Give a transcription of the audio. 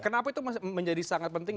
kenapa itu menjadi sangat penting